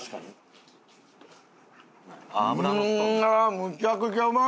むちゃくちゃうまい！